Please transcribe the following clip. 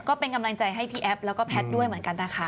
ก็เป็นกำลังใจให้พี่แอฟแล้วก็แพทย์ด้วยเหมือนกันนะคะ